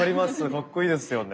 かっこいいですよね。